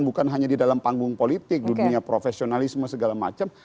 bukan hanya di dalam panggung politik di dunia profesionalisme segala macam